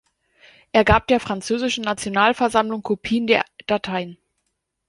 Er gab der französischen Nationalversammlung Kopien der Dateien.